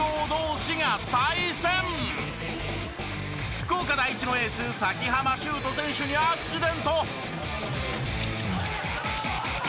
福岡第一のエース崎濱秀斗選手にアクシデント。